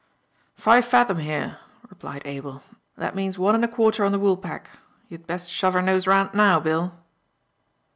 "Five fathom here," replied Abel; "that means one and a quarter on the Woolpack. You'd best shove her nose round now, Bill."